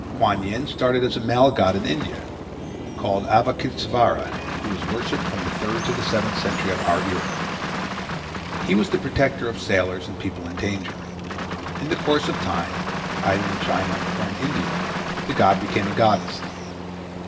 Kuan Yin started as a male god in India, called Avalôkitêsvara, who was worshipped from the third to the seventh century of our era. He was the protector of sailors and people in danger. In the course of time, either in China or in India, the god became a goddess.